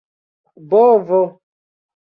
bovo